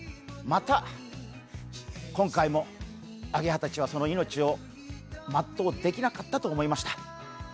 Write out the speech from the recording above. また今回もアゲハたちはその命を全うできなかったと思いました。